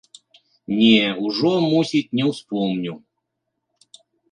Не, ужо, мусіць, не ўспомню!